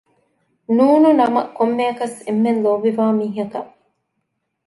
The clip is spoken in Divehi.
ނޫނަނަމަ ކޮންމެއަކަސް އެންމެ ލޯބިވާ މީހަކަށް